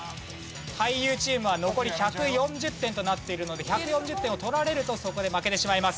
俳優チームは残り１４０点となっているので１４０点を取られるとそこで負けてしまいます。